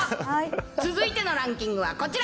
続いてのランキングはこちら。